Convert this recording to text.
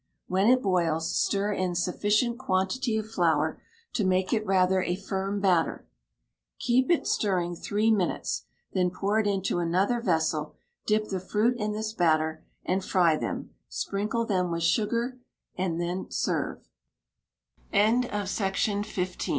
When it boils, stir in sufficient quantity of flour to make it rather a firm batter; keep it stirring three minutes; then pour it into another vessel: dip the fruit in this batter, and fry them; sprinkle them with sugar, then